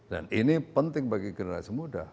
dan ini penting bagi generasi muda